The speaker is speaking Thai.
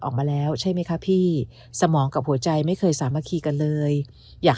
ออกมาแล้วใช่ไหมคะพี่สมองกับหัวใจไม่เคยสามัคคีกันเลยอยาก